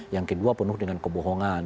yang kedua penuh dengan kebohongan